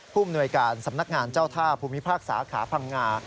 ภูมิหน่วยการสำนักงานเจ้าท่าภูมิภาคสาขาพังงา